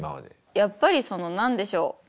やっぱりその何でしょう。